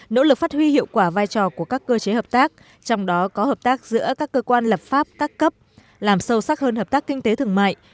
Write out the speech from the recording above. nỗ lực phát huy hiệu quả vai trò của các cơ chế hợp tác trong đó có hợp tác giữa các cơ quan lập pháp các cấp làm sâu sắc hơn hợp tác kinh tế thương mại